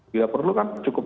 harus dihitung betul